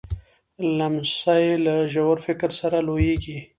لمسی له ژور فکر سره لویېږي.